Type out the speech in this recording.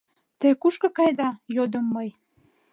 — Те кушко каеда? — йодым мый.